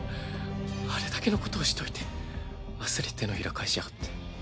あれだけのことをしといてあっさり手のひら返しやがって。